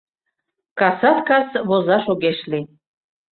Касат кас возаш огеш лий.